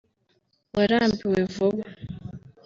“Warambiwe Vuba”